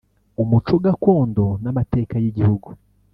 umuco gakondo n’amateka y’Igihugu